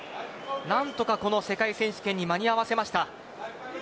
何とかこの世界選手権に間に合わせました。